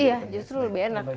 iya justru lebih enak